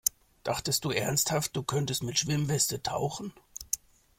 Dachtest du ernsthaft, du könntest mit Schwimmweste tauchen?